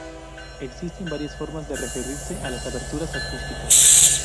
Existen varias formas de referirse a las aberturas acústicas.